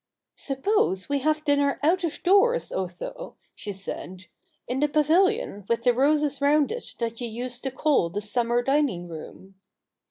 ' Suppose we have dinner out of doors, Otho,' she said, ' in the pavilion with the roses round it that you used to call the summer dining room.'